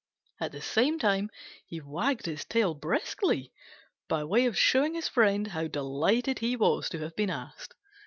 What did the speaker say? At the same time he wagged his tail briskly, by way of showing his friend how delighted he was to have been asked.